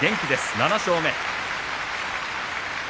７勝目。